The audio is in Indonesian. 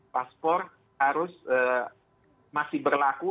paspor harus masih berlaku